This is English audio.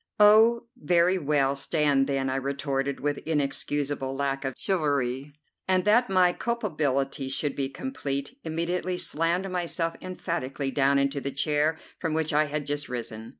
"Oh, very well; stand then!" I retorted with inexcusable lack of chivalry, and, that my culpability should be complete, immediately slammed myself emphatically down into the chair from which I had just risen.